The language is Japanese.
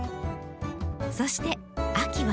そして秋は。